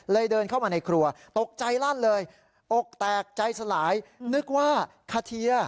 เดินเข้ามาในครัวตกใจลั่นเลยอกแตกใจสลายนึกว่าคาเทีย